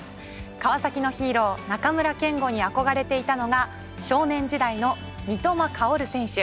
川崎のヒーロー中村憲剛に憧れていたのが少年時代の三笘薫選手。